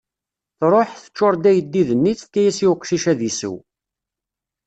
Tṛuḥ, teččuṛ-d ayeddid-nni, tefka-as i uqcic ad isew.